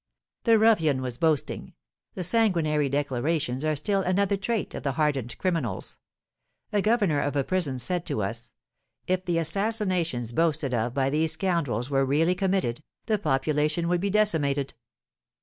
The ruffian was boasting. The sanguinary declarations are still another trait of the hardened criminals. A governor of a prison said to us, "If the assassinations boasted of by these scoundrels were really committed, the population would be decimated."